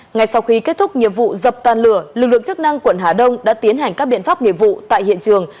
ngay sau khi kết thúc nhiệm vụ dập tàn lửa lực lượng chức năng quận hà đông đã tiến hành các biện pháp nghiệp vụ tại hiện trường